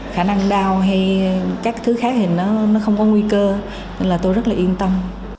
khả năng đau hay các thứ khác thì nó không có nguy cơ nên là tôi rất là yên tâm